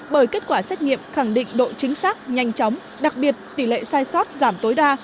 bởi kết quả xét nghiệm khẳng định độ chính xác nhanh chóng đặc biệt tỷ lệ sai sót giảm tối đa